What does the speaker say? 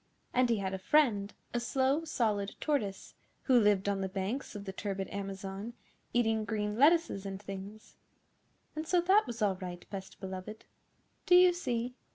And he had a friend, a Slow Solid Tortoise, who lived on the banks of the turbid Amazon, eating green lettuces and things. And so that was all right, Best Beloved. Do you see?